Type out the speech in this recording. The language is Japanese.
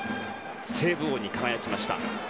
セーブ王に輝きました。